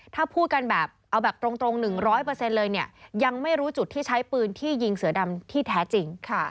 ถ้าพูดกันแบบเอาแบบตรง๑๐๐เลยเนี่ยยังไม่รู้จุดที่ใช้ปืนที่ยิงเสือดำที่แท้จริง